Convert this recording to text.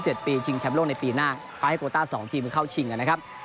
ก็ไปชิงแชมป์โลกในปีหน้าพาให้โปรตา๒ทีมเข้าชิงกันนะครับ